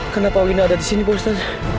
kenapa bawina ada disini pak ustadz